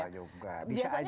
wah nggak juga bisa aja